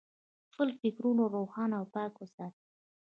خپل فکرونه روښانه او پاک وساتئ.